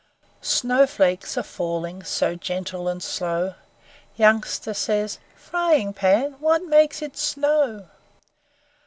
Snowflakes are falling So gentle and slow, Youngster says, 'Frying Pan, What makes it snow?'